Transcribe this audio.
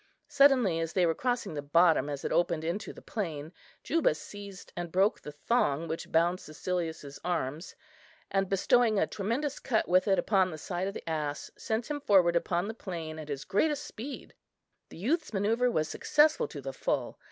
Suddenly, as they were crossing the bottom as it opened into the plain, Juba seized and broke the thong which bound Cæcilius's arms, and bestowing a tremendous cut with it upon the side of the ass, sent him forward upon the plain at his greatest speed. The youth's manœuvre was successful to the full.